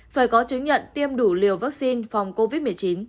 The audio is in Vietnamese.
phải có chứng nhận tiêm đủ liều vaccine phòng covid một mươi chín